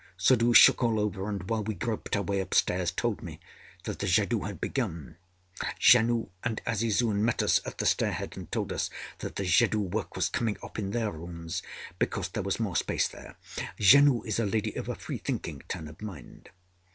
Suddhoo shook all over, and while we groped our way upstairs told me that the jadoo had begun. Janoo and Azizun met us at the stair head, and told us that the jadoo work was coming off in their rooms, because there was more space there. Janoo is a lady of a freethinking turn of mind.